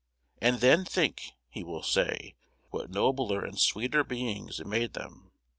"And then think," he will say, "what nobler and sweeter beings it made them.